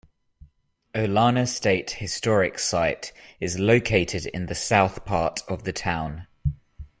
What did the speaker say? Olana State Historic Site is located in the south part of the town.